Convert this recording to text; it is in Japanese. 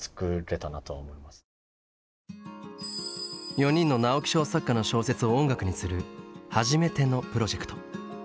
４人の直木賞作家の小説を音楽にする「はじめての」プロジェクト。